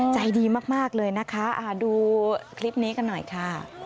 ใจดีมากเลยนะคะดูคลิปนี้กันหน่อยค่ะ